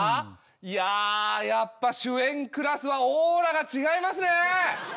いややっぱ主演クラスはオーラが違いますね。